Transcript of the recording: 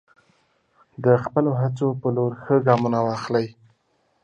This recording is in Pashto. د خپلو هڅو په لور ښه ګامونه واخلئ.